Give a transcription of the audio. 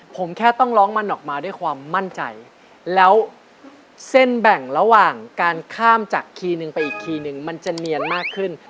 ผมแค่ต้องร้องมันออกมาด้วยความมั่นใจแล้วเส้นแบ่งระหว่างการข้ามจากคีย์หนึ่งไปอีกทีนึงมันจะเนียนมากขึ้น